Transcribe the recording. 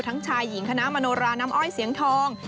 ชายหญิงคณะมโนราน้ำอ้อยเสียงทอง